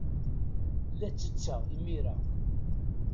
La ttetteɣ imir-a.